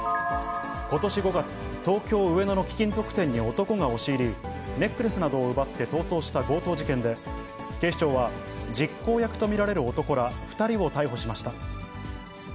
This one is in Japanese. ことし５月、東京・上野の貴金属店に男が押し入り、ネックレスなどを奪って逃走した強盗事件で、警視庁は実行役と見られる男ら２人を逮捕しました。